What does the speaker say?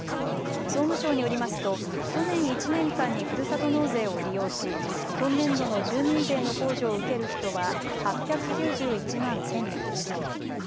総務省によりますと去年１年間にふるさと納税を利用し今年度の住民税の控除を受ける人は８９１万１０００人でした。